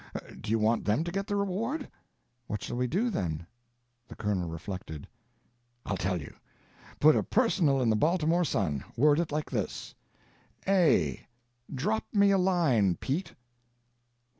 Do you want them to get the reward?" "What shall we do, then?" The Colonel reflected. "I'll tell you. Put a personal in the Baltimore Sun. Word it like this: "A. DROP ME A LINE, PETE."